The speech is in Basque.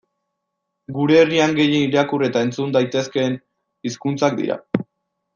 Gure herrian gehien irakur eta entzun daitezkeen hizkuntzak dira.